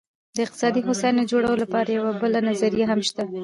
د اقتصادي هوساینې د جوړولو لپاره یوه بله نظریه هم شته.